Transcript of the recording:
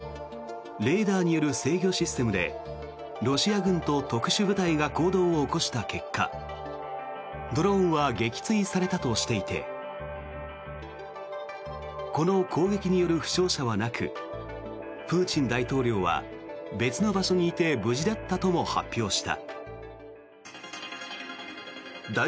ロシア大統領府によるとレーダーによる制御システムでロシア軍と特殊部隊が行動を起こした結果ドローンは撃墜されたとしていてこの攻撃による負傷者はなくプーチン大統領は別の場所にいて無事だったとも発表した。